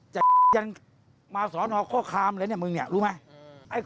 จักรยันมาสอนหาข้อคามนะรู้ไหม